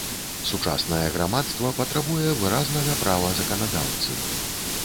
Сучаснае грамадства патрабуе выразнага права заканадаўцы.